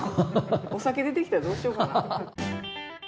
お酒出てきたらどうしようかな。